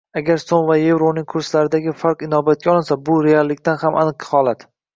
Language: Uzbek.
Agar so‘m va yevroning kurslaridagi farq inobatga olinsa, bu reallikdan ham aniq holat.